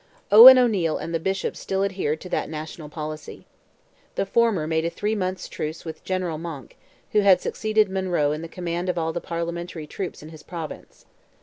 Owen O'Neil and the Bishops still adhered to that national policy. The former made a three months' truce with General Monck, who had succeeded Monroe in the command of all the Parliamentary troops in his province.